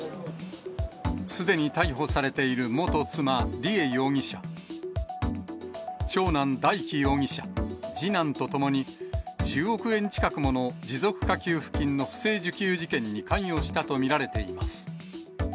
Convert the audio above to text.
すでに逮捕されている元妻、梨恵容疑者、長男、大祈容疑者、次男と共に、１０億円近くもの持続化給付金の不正受給事件に関与したと見られています。